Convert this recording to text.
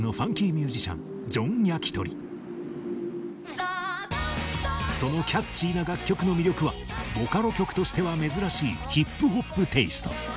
それではそのキャッチーな楽曲の魅力はボカロ曲としては珍しいＨＩＰ−ＨＯＰテイスト。